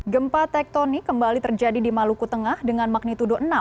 gempa tektonik kembali terjadi di maluku tengah dengan magnitudo enam